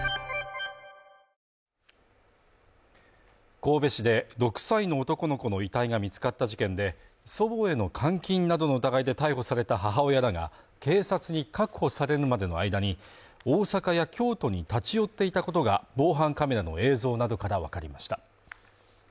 神戸市で６歳の男の子の遺体が見つかった事件で祖母への監禁などの疑いで逮捕された母親らが警察に確保されるまでの間に、大阪や京都に立ち寄っていたことが防犯カメラの映像などからわかりました。